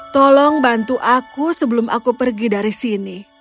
tolong bantu aku sebelum aku pergi dari sini